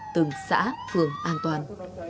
từng xã phường an toàn